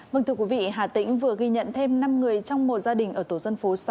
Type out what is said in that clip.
vâng thưa quý vị hà tĩnh vừa ghi nhận thêm năm người trong một gia đình ở tổ dân phố sáu